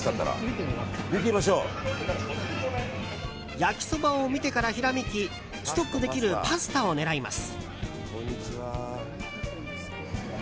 焼きそばを見てからひらめきストックできるパスタを狙います。